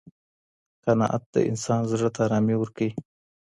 قناعت د انسان زړه ته ارامي ورکوي.